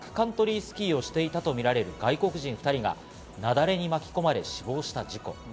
スキーをしていたとみられる外国人２人が、雪崩に巻き込まれ死亡した事故。